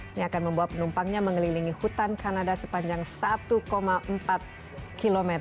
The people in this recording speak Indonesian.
ini akan membawa penumpangnya mengelilingi hutan kanada sepanjang satu empat km